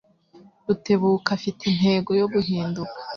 Rutebuka afite intego yo guhinduka